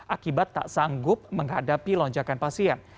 akibat tak sanggup menghadapi lonjakan pasien